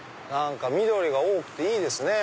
緑が多くていいですね。